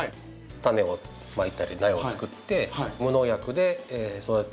種をまいたり苗を作って無農薬で育てればですね